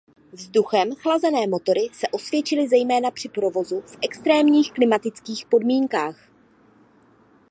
Vzduchem chlazené motory se osvědčily zejména při provozu v extrémních klimatických podmínkách.